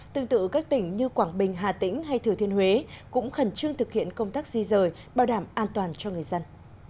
tương tự các tỉnh như quảng bình hà tĩnh hay thừa thiên huế cũng khẩn trương thực hiện công tác di rời bảo đảm an toàn cho người dân